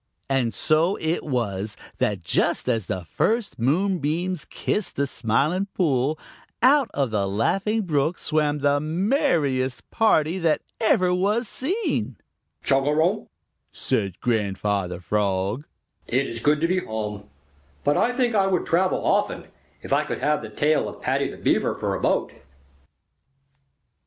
And so it was that just as the first moonbeams kissed the Smiling Pool, out of the Laughing Brook swam the merriest party that ever was seen. "Chugarum!" said Grandfather Frog. "It is good to be home, but I think I would travel often, if I could have the tail of Paddy the Beaver for a boat."